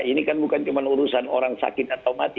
ini kan bukan cuma urusan orang sakit atau mati